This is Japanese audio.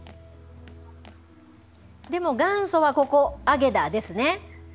でも元祖はここ、アゲダですね？